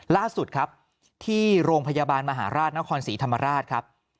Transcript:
ล่าสุดครับที่โรงพยาบาลมหาราชนครศรีธรรมราชครับ